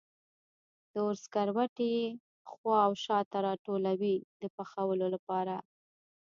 د اور سکروټي یې خوا و شا ته راټولوي د پخولو لپاره.